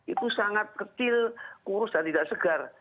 itu sangat kecil kurus dan tidak segar